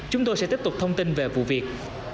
chúng tôi sẽ tiếp tục thông tin về vụ việc